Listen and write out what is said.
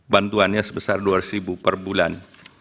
bantuannya sebesar rp dua per bulan